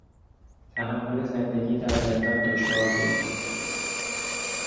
تحمل زندگی در زندان دشوار بود.